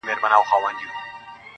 o مړاوي یې سترگي.